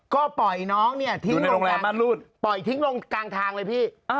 ก็ปล่อยน้องทิ้งลงกลางทางเลยพี่